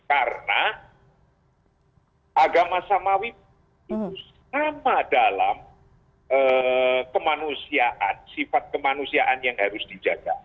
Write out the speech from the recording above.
karena agama samawi itu sama dalam kemanusiaan sifat kemanusiaan yang harus dijaga